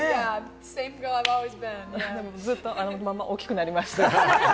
ずっとあのまま大きくなりました。